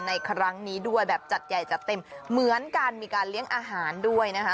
ในครั้งนี้ด้วยแบบจัดใหญ่จัดเต็มเหมือนกันมีการเลี้ยงอาหารด้วยนะคะ